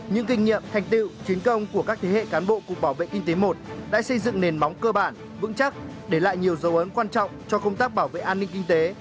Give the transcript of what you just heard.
những kinh nghiệm thành tiệu chiến công của các thế hệ cán bộ cục bảo vệ kinh tế i đã xây dựng nền móng cơ bản vững chắc để lại nhiều dấu ấn quan trọng cho công tác bảo vệ an ninh kinh tế